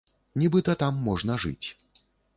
Нібыта, там можна жыць.